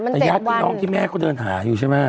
น้องพี่แม่ก็เดินหาอยู่ใช่ไหม